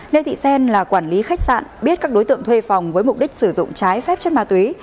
lê thị xen là quản lý khách sạn biết các đối tượng thuê phòng với mục đích sử dụng trái phép chất ma túy